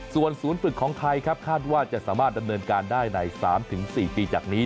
ส่วนศูนย์ฝึกของไทยครับคาดว่าจะสามารถดำเนินการได้ใน๓๔ปีจากนี้